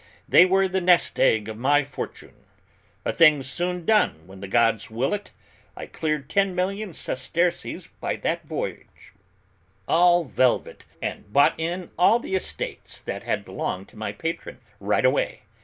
They were the nest egg of my fortune. A thing's soon done when the gods will it; I cleared ten million sesterces by that voyage, all velvet, and bought in all the estates that had belonged to my patron, right away.